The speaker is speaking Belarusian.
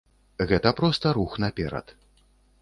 Гэта проста рух наперад.